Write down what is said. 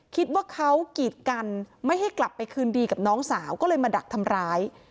คิดว่าเขากีดกันไม่ให้กลับไปคืนดีกับน้องสาวก็เลยมาดักทำร้าย